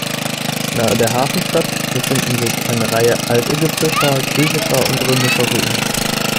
Nahe der Hafenstadt befinden sich eine Reihe altägyptischer, griechischer und römischer Ruinen.